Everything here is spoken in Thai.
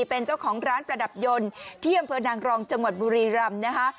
เป็นเจ้าของร้านประดับยนต์ที่อำเภอนางรองจังหวัดบุรีรำนะคะ